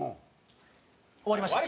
終わりました。